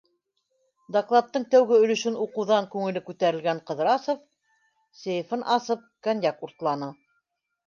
Докладтың тәүге өлөшөн уҡыуҙан күңеле күтәрелгән Ҡыҙрасов, сейфын асып, коньяк уртланы.